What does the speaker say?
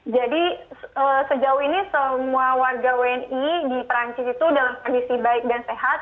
jadi sejauh ini semua warga wni di perancis itu dalam kondisi baik dan sehat